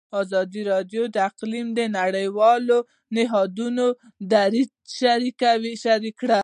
ازادي راډیو د اقلیم د نړیوالو نهادونو دریځ شریک کړی.